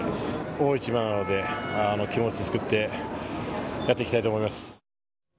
大一番なので、気持ち作ってやっていきたいと思います。